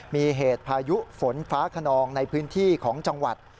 มีเหตุพายุฝนฟ้าขนองในพื้นที่ของจังหวัด